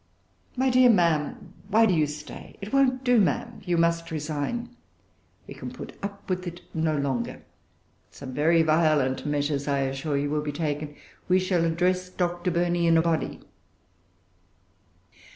"My dear ma'am, why do you stay? It won't do, ma'am; you must resign. We can put up with it no longer. Some very violent measures, I assure you, will be taken. We shall address Dr. Burney in a body."